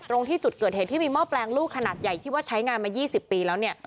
ตรงที่จุดเกิดเหตุที่มีหม้อแปลงลูกขนาดใหญ่ที่ว่าใช้งานมา๒๐ปีแล้วเนี่ย